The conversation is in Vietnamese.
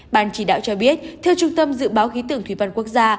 bàn chỉ đạo cho biết theo trung tâm dự báo khí tưởng thủy văn quốc gia